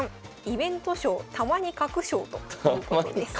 イベント将たまに描く将ということです。